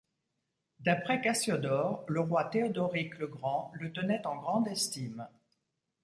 D’après Cassiodore, le roi Théodoric le Grand le tenait en grande estime.